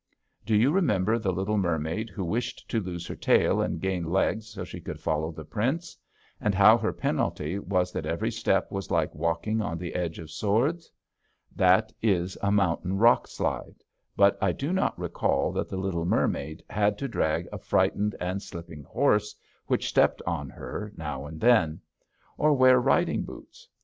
Do you remember the little mermaid who wished to lose her tail and gain legs so she could follow the prince? And how her penalty was that every step was like walking on the edges of swords? That is a mountain rock slide, but I do not recall that the little mermaid had to drag a frightened and slipping horse, which stepped on her now and then. Or wear riding boots.